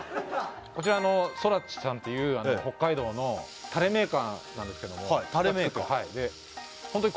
こちらソラチさんっていう北海道のタレメーカーなんですけどもタレメーカーはい